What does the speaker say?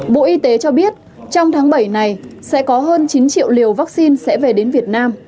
bộ y tế cho biết trong tháng bảy này sẽ có hơn chín triệu liều vaccine sẽ về đến việt nam